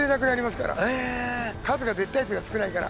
数が絶対数が少ないから。